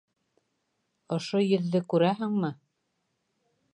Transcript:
Ошо йөҙҙө күрәһеңме?